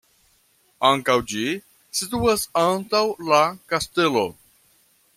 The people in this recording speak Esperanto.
Ankaŭ ĝi situas antaŭ la kastelo.